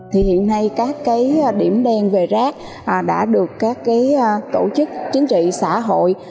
thì hiện nay các cái điểm đen về rác đã được các tổ chức chính trị xã hội